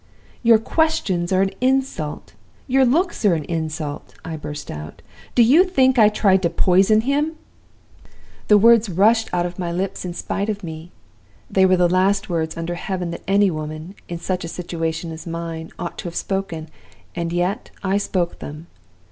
"'Your questions are an insult! Your looks are an insult!' I burst out. 'Do you think I tried to poison him?' "The words rushed out of my lips in spite of me. They were the last words under heaven that any woman, in such a situation as mine, ought to have spoken. And yet I spoke them!